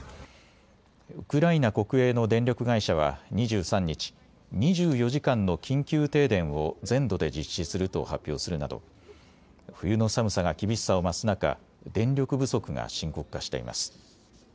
ウクライナ国営の電力会社は２３日、２４時間の緊急停電を全土で実施すると発表するなど冬の寒さが厳しさを増す中、電力不足が深刻化しています。